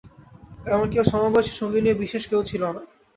এমন-কি, ওর সমবয়সী সঙ্গিনীও বিশেষ কেউ ছিল না।